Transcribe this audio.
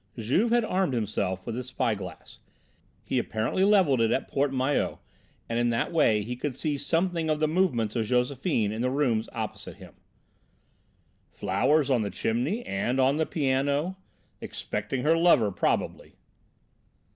Juve had armed himself with his spy glass; he apparently levelled it at Porte Maillot, and in that way he could see something of the movements of Josephine in the rooms opposite him. "Flowers on the chimney and on the piano! Expecting her lover probably!"